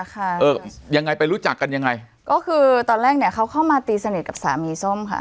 ค่ะเออยังไงไปรู้จักกันยังไงก็คือตอนแรกเนี้ยเขาเข้ามาตีสนิทกับสามีส้มค่ะ